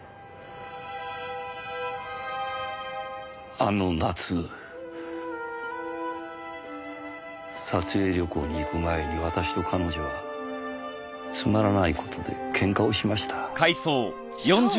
あの夏撮影旅行に行く前に私と彼女はつまらない事でケンカをしました。